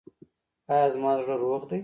ایا زما زړه روغ دی؟